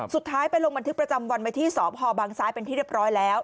สุดท้ายไปลงบันทึกประจำวันไว้ที่สพบางซ้ายเป็นที่เรียบร้อยแล้ว